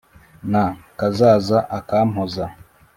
na kazaza akampoza